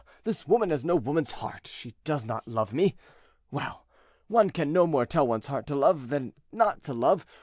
this woman has no woman's heart, she does not love me. Well! one can no more tell one's heart to love than not to love.